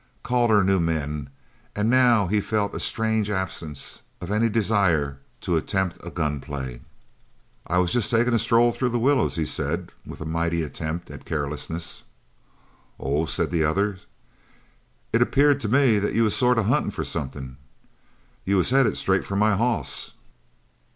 Calder knew men, and now he felt a strange absence of any desire to attempt a gun play. "I was just taking a stroll through the willows," he said, with a mighty attempt at carelessness. "Oh," said the other. "It appeared to me you was sort of huntin' for something. You was headed straight for my hoss."